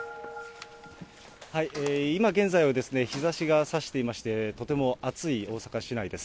今現在は、日ざしがさしていまして、とても暑い大阪市内です。